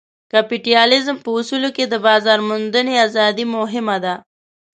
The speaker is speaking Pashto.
کپیټالیزم په اصولو کې د بازار موندنې ازادي مهمه ده.